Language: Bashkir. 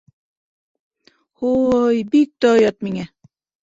— Һо-ой, бик тә оят миңә.